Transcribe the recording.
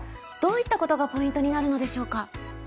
どういったことがポイントになるのでしょうか？